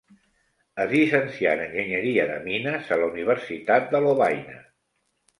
Es llicencià en enginyeria de mines a la Universitat de Lovaina.